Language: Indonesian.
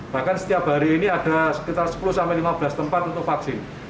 bahkan setiap hari ini ada sekitar sepuluh lima belas tempat untuk vaksin